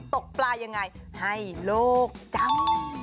ตกปลายังไงให้โลกจำ